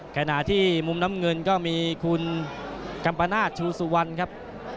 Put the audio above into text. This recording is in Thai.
ขณะที่มุมน้ำเงินก็มีคุณกัมปนาศชูสุวรรณครับ